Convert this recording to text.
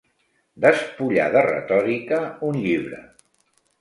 Despullar de retòrica un llibre.